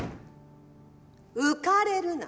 浮かれるな。